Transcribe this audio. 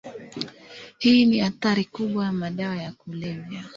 Hii ni athari kubwa ya madawa ya kulevya.